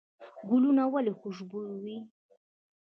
ګلونه ولې خوشبویه وي؟